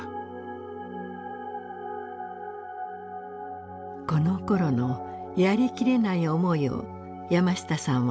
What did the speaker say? このころのやりきれない思いを山下さんは本に記しています。